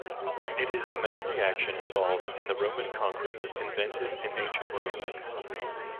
It is the main reaction involved in the Roman concrete invented in Ancient Rome.